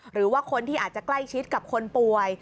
หรือว่าคนที่อาจจะใกล้ชิดกับคนป่วย